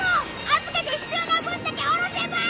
預けて必要な分だけ下ろせばいい！